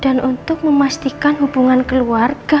dan untuk memastikan hubungan keluarga